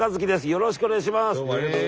よろしくお願いします！